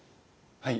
はい。